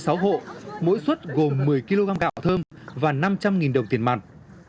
trong hộ mỗi xuất gồm một mươi kg gạo thơm và năm trăm linh đồng tiền mạng